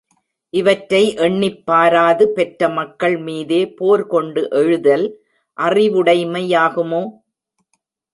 இவற்றை எண்ணிப் பாராது பெற்ற மக்கள் மீதே போர் கொண்டு எழுதல் அறிவுடைமையாகுமோ?